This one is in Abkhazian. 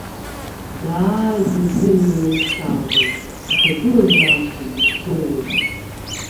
Даараӡа ибзианы уеилыскаауеит, уҭагылазаашьагьы здыруеит.